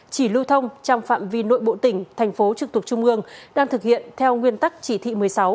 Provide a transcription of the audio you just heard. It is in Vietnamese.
chỉ lưu thông trong phạm vi nội bộ tỉnh thành phố trực thuộc trung ương đang thực hiện theo nguyên tắc chỉ thị một mươi sáu